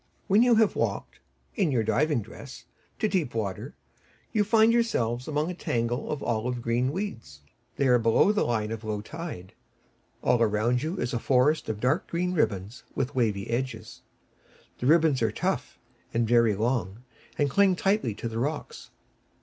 When you have walked in your diving dress to deep water, you find yourself among a tangle of olive green weeds. They are below the line of low tide. All round you is a forest of dark green ribbons with wavy edges. The ribbons are tough and very long, and cling tightly to the rocks.